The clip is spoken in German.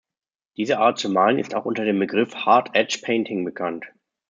Diese Art zu malen ist auch unter dem Begriff Hard-Edge-Painting bekannt.